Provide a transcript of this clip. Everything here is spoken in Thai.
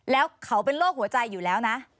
แล้วเขาเป็นโรคหัวใจอยู่แล้วนะ